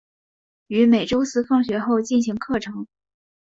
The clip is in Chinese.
于每周四放学后进行课程。